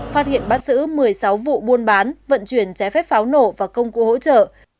phát hiện bắt giữ một mươi sáu vụ buôn bán vận chuyển trái phép pháo nổ và công cụ hỗ trợ